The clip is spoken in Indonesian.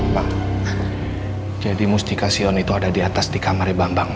bang jadi mustika sion itu ada di atas di kamar bambang ma